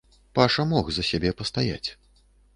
Паша мог за сябе пастаяць.